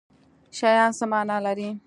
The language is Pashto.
شیان څه معنی لري